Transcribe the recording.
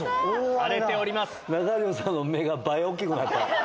中条さんの目が倍大きくなった。